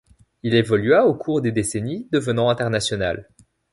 Il évolua au cours des décennies, devenant internationale.